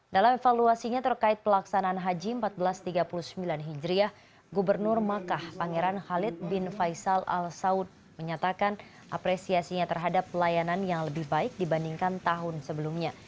dalam evaluasinya terkait pelaksanaan haji seribu empat ratus tiga puluh sembilan hijriah gubernur makkah pangeran khalid bin faisal al saud menyatakan apresiasinya terhadap pelayanan yang lebih baik dibandingkan tahun sebelumnya